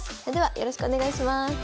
それではよろしくお願いします。